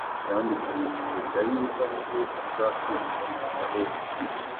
Kandi twiringiraga yuko ari we uzacungura Abisirayeli.”